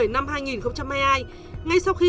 năm hai nghìn hai mươi hai ngay sau khi